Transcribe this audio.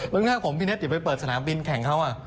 แล้วเน็ตข้าวผมเน็ตเดี๋ยวไปเปิดสนามบินแข่งเขา